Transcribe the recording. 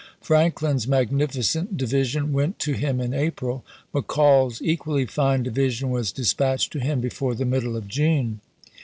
Franklin's magnificent di vision went to him in April, McCall's equally fine division was dispatched to him before the middle of June.